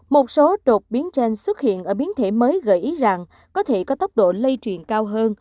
một số đột biến trên xuất hiện ở biến thể mới gợi ý rằng có thể có tốc độ lây truyền cao hơn